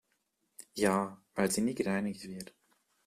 Ja, weil sie nie gereinigt wird.